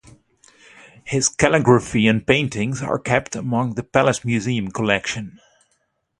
His calligraphy and paintings are kept among the Palace Museum collection.